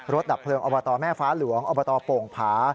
ดับเพลิงอบตแม่ฟ้าหลวงอบตโป่งผา